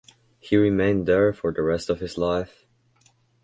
He remained there for the rest of his life.